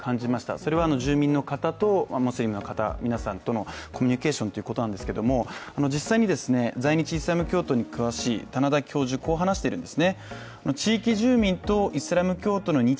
それは住民の方、ムスリムの方、皆さんとのコミュニケーションということなんですけれども、実際に在日イスラム教徒に詳しい店田教授はこう話しています。